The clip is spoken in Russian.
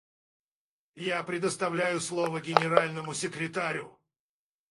Я предоставляю слово Генеральному секретарю.